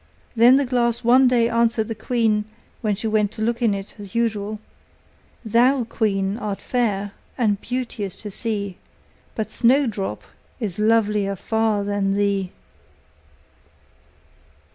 Then the glass one day answered the queen, when she went to look in it as usual: 'Thou, queen, art fair, and beauteous to see, But Snowdrop is lovelier far than thee!